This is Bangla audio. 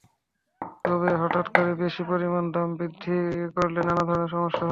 তবে হঠাৎ করে বেশি পরিমাণে দাম হ্রাস-বৃদ্ধি করলে নানা ধরনের সমস্যা হয়।